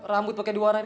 rambut pake dua warahin